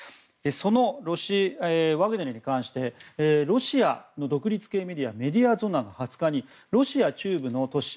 そのワグネルに関してロシアの独立系メディアメディアゾナが２０日にロシア中部の都市